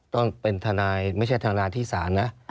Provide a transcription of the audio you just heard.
ต้องเป็นทนายไม่ใช่ทนายที่ศาลนะ